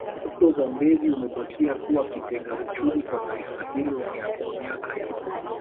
Mto Zambezi umebakia kuwa kitega uchumi kwa taifa hilo kwa miaka yote